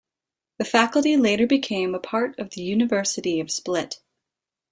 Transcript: The faculty later became a part of the University of Split.